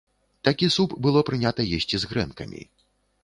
Такі суп было прынята есці з грэнкамі.